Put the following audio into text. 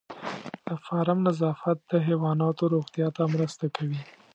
د فارم نظافت د حیواناتو روغتیا ته مرسته کوي.